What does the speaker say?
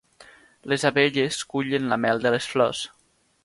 Les abelles cullen la mel de les flors.